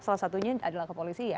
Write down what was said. salah satunya adalah kepolisian